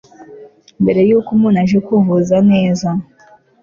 mbere yuko umuntu aje kuvuza neza